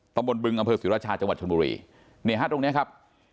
ตำบลบึงอำเภอศรีราชาจังหวัดชนบุรีนี่ฮะตรงเนี้ยครับ